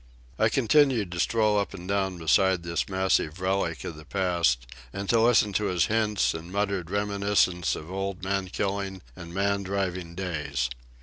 I continued to stroll up and down beside this massive relic of the past, and to listen to his hints and muttered reminiscences of old man killing and man driving days.